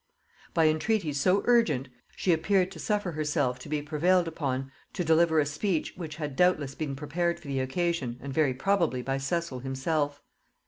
By entreaties so urgent, she appeared to suffer herself to be prevailed upon to deliver a speech which had doubtless been prepared for the occasion, and very probably by Cecil himself.